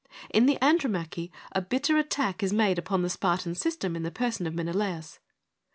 In the Andromache a bitter attack is made upon the Spartan system in the person of Menelaus.